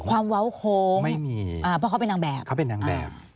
ความเว้าโค้งเพราะเขาเป็นนางแบบ